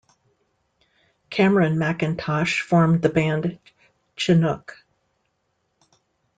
Cameron MacIntosh formed the band Chinook.